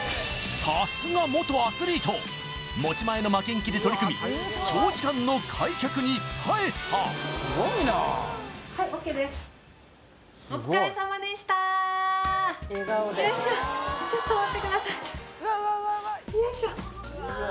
さすが元アスリート持ち前の負けん気で取り組み長時間の開脚に耐えたよいしょっ